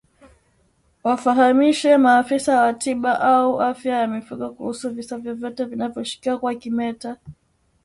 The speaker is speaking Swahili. Wafahamishe maafisa wa tiba au afya ya mifugo kuhusu visa vyovyote vinavyoshukiwa kuwa kimeta